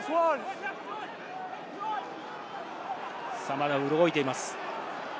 まだ動いています。